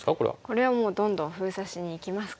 これはもうどんどん封鎖しにいきますか。